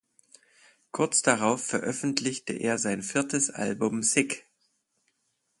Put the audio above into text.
Kurz darauf veröffentlichte er sein viertes Album "Sig.